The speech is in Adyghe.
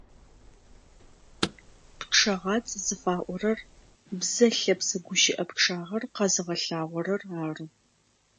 ПчъэгъацӀ зыфаӀорэр бзэ лъэпсэ гущыӏэу пчъагъэр къэзыгъэлъагъорэр ары.